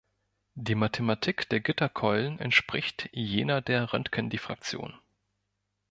Die Mathematik der Gitterkeulen entspricht jener der Röntgendiffraktion.